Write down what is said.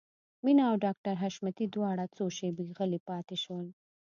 مينه او ډاکټر حشمتي دواړه څو شېبې غلي پاتې شول.